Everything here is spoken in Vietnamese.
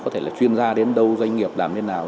có thể là chuyên gia đến đâu doanh nghiệp làm thế nào